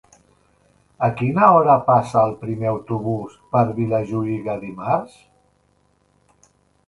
A quina hora passa el primer autobús per Vilajuïga dimarts?